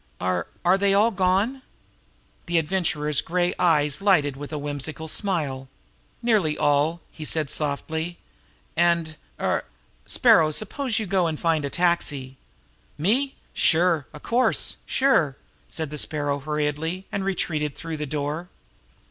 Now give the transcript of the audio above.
Are are they all gone?" The Adventurer's gray eyes lighted with a whimsical smile. "Nearly all!" he said softly. "And er Sparrow, suppose you go and find a taxi!" "Me? Sure! Of course! Sure!" said the Sparrow hurriedly, and retreated through the door.